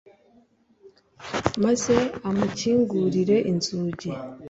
Maze amukingurire inzugi